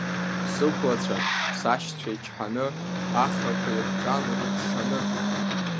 Сықәлацәа, сашьцәа ичҳаны, ахрақәа ирҿан рыҽшаны.